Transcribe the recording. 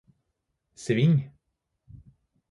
sving